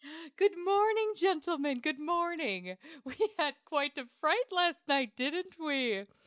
"Good morning, gentlemen, good morning! We had quite a fright last night, didn't we?